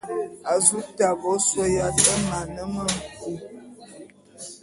A zu tabe ôsôé yat e mane me nku.